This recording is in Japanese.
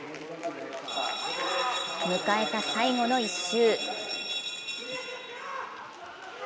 迎えた最後の１周。